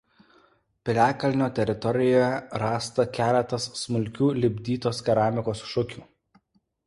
Piliakalnio teritorijoje rasta keletas smulkų lipdytos keramikos šukių.